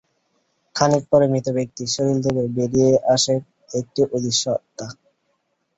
খানিক পরে মৃত ব্যক্তির শরীর থেকে বেরিয়ে আসে একটি অদৃশ্য আত্মা।